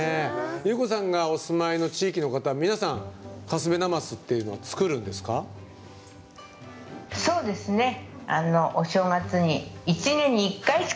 祐子さんがお住まいの地域の方皆さん、カスベなますというのは作るんですか？